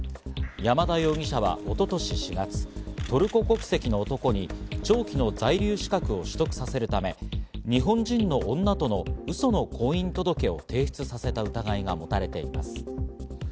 山田容疑者は一昨年４月、トルコ国籍の男に長期の在留資格を取得させるため、日本人の女とのうその婚姻届を提出させた疑いが持たれています。